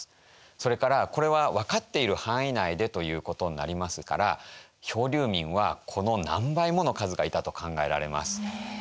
それからこれは分かっている範囲内でということになりますから漂流民はこの何倍もの数がいたと考えられます。